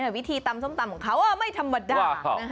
วิธีตำส้มตำของเขาไม่ธรรมดา